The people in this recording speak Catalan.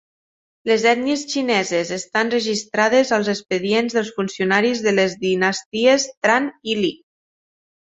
Les ètnies xineses estan registrades als expedients dels funcionaris de les dinasties Tran i Ly.